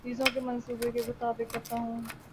چیزوں کے منصوبے کے مطابق کرتا ہوں